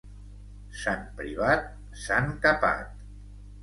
Sant Privat, sant capat.